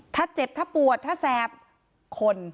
ถ้าเจ็บถ้าปวดถ้าแสบคน